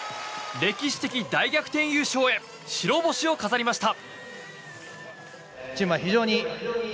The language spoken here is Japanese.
歴史的大逆転優勝へ白星を飾りました。